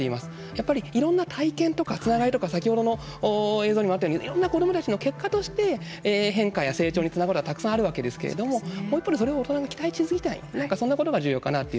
やっぱりいろんな体験とかつながりとか先ほどの映像にもあったようにいろんな子どもたちの結果として変化や成長につながるものがたくさんあるわけですけどやっぱりそれを大人が期待しすぎない。